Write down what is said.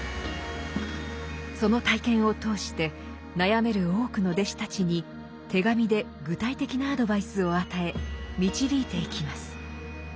その体験を通して悩める多くの弟子たちに手紙で具体的なアドバイスを与え導いていきます。